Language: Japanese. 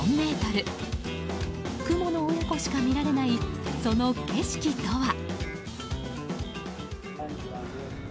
クモの親子しか見られないその景色とは。